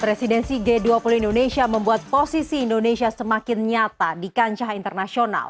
presidensi g dua puluh indonesia membuat posisi indonesia semakin nyata di kancah internasional